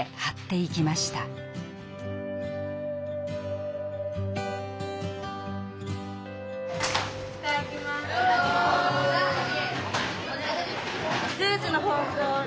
いただきます。